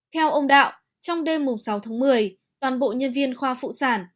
theo ông đạo trong đêm sáu tháng một mươi toàn bộ nhân viên khoa phụ sản